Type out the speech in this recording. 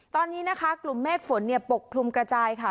ตอนนี้นะคะกลุ่มเมฆฝนเนี่ยปกคลุมกระจายค่ะ